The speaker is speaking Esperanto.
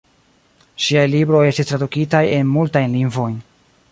Ŝiaj libroj estis tradukitaj en multajn lingvojn.